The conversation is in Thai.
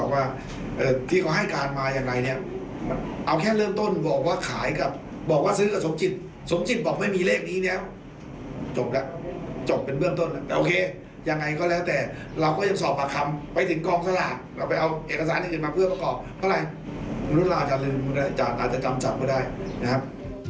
เวลาอาจจะลืมเวลาอาจจะจำจัดไม่ได้นะครับ